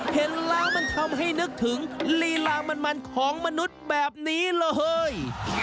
เห็นแล้วมันทำให้นึกถึงลีลามันของมนุษย์แบบนี้เลย